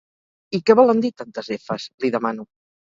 I què volen dir tantes efes? —li demano.